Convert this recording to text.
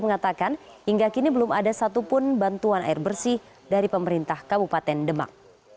mengatakan hingga kini belum ada satupun bantuan air bersih dari pemerintah kabupaten demak